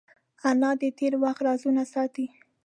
انا د تېر وخت رازونه ساتي